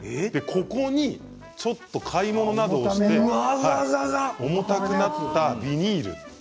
ここにちょっと買い物などをして重たくなったビニール